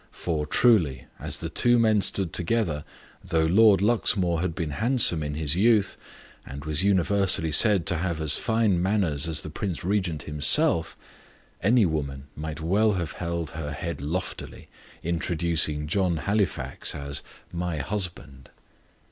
For, truly, as the two men stood together though Lord Luxmore had been handsome in his youth, and was universally said to have as fine manners as the Prince Regent himself any woman might well have held her head loftily, introducing John Halifax as "my husband."